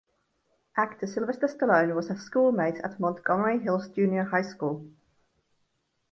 Actor Sylvester Stallone was a schoolmate at Montgomery Hills Junior High School.